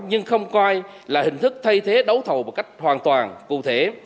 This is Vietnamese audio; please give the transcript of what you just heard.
nhưng không coi là hình thức thay thế đấu thầu một cách hoàn toàn cụ thể